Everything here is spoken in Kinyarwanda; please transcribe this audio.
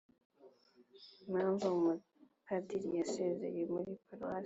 impamvu umupadiri yasezeye muri paruwasi